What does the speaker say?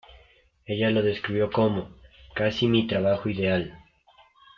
Ella lo describió como "casi mi trabajo ideal".